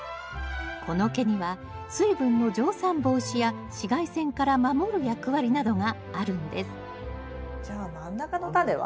この毛には水分の蒸散防止や紫外線から守る役割などがあるんですじゃあ真ん中のタネは？